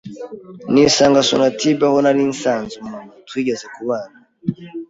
nisanga sonatube aho nari nsanze umuntu twigeze kubana